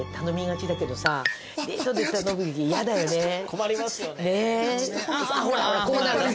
困りますよね。